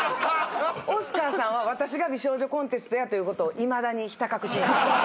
オスカーさんは私が美少女コンテストやということをいまだにひた隠しにしてます。